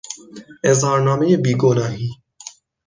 اظهارنامهی بیگناهی